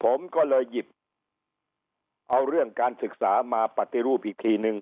ผมก็เลยหยิบเอาเรื่องการศึกษามาปฏิรูปอีกทีนึง